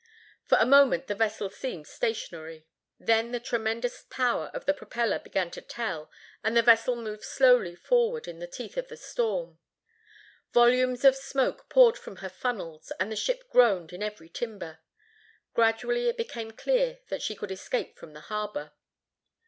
For a moment the vessel seemed stationary. Then the tremendous power of the propeller began to tell, and the vessel moved slowly forward in the teeth of the storm. Volumes of smoke poured from her funnels, and the ship groaned in every timber. Gradually it became clear that she could escape from the harbor.